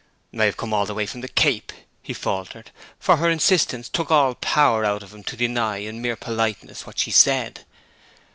'I have come all the way from the Cape,' he faltered, for her insistence took all power out of him to deny in mere politeness what she said.